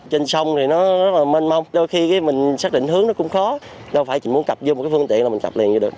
trên sông thì nó rất là mênh mông đôi khi mình xác định hướng nó cũng khó đâu phải chỉ muốn cập vô một cái phương tiện là mình sập liền vậy được